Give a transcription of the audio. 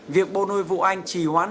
việc bộ nuôi vụ anh trì hoãn